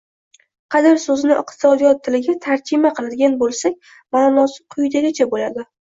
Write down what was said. “Qadr” so‘zini iqtisodiyot tiliga “tarjima” qiladigan bo‘lsak, maʼnosi quyidagicha bo‘ladi: